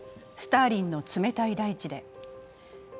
スターリンの冷たい大地で」。